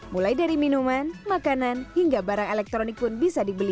mulai dari minuman makanan hingga barang elektronik pun bisa dibeli